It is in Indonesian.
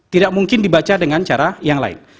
tidak mungkin dibaca dengan cara yang lain